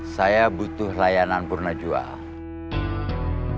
saya butuh layanan purnajual